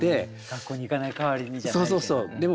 学校に行かない代わりにじゃあ描いて。